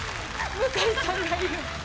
向井さんがいる。